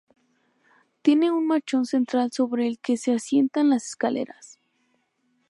Tiene un machón central sobre el que se asientan las escaleras.